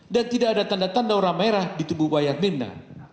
dan tidak ada tanda tanda orang merah di tubuh wayang mirna